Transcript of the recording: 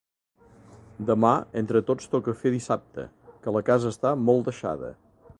Demà entre tots toca fer dissabte, que la casa està molt deixada.